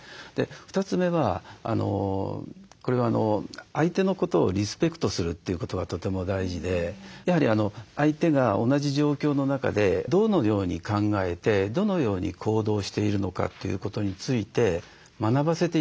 ２つ目はこれは相手のことをリスペクトするということがとても大事でやはり相手が同じ状況の中でどのように考えてどのように行動しているのかということについて学ばせて頂くという。